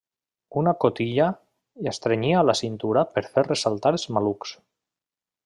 Una cotilla estrenyia la cintura per fer ressaltar els malucs.